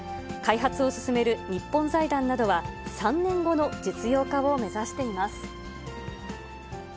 開発を進める日本財団などは、３年後の実用化を目指しています。